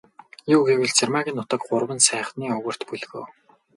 Юу гэвэл, Цэрмаагийн нутаг Гурван сайхны өвөрт бөлгөө.